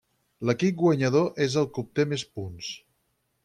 L'equip guanyador és el que obté més punts.